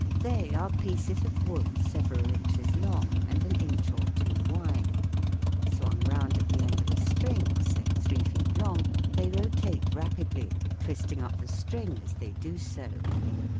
They are pieces of wood several inches long and an inch or two wide. Swung round at the end of a string, say three feet long, they rotate rapidly, twisting up the string as they do so.